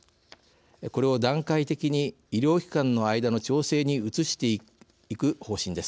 これを段階的に医療機関の間の調整に移していく方針です。